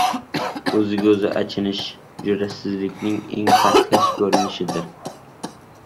O‘ziga-o‘zi achinish jur’atsizlikning eng pastkash ko‘rinishir.